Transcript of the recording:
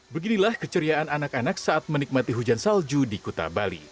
beginilah keceriaan anak anak saat menikmati hujan salju di kuta bali